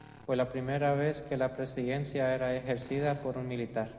Fue la primera vez que la presidencia era ejercida por un militar.